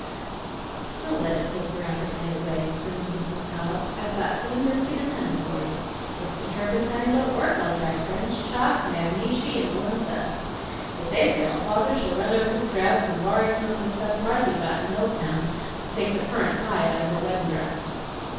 "Don't let it take your appetite away," crooned Mrs. Cobb. "I've got cream biscuit and honey for you. If the turpentine don't work, I'll try French chalk, magneshy, and warm suds. If they fail, father shall run over to Strout's and borry some of the stuff Marthy got in Milltown to take the currant pie out of her weddin' dress."